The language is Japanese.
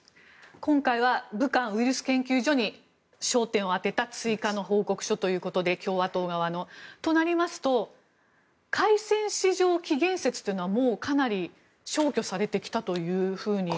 今回は武漢ウイルス研究所に焦点を当てた追加の報告書ということで共和党側の。となりますと海鮮市場起源説というのはもうかなり消去されてきたとみていいですか？